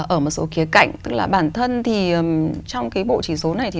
ở một số kế cạnh tức là bản thân thì trong cái bộ chỉ số này thì nó cũng không nói